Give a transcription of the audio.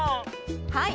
はい。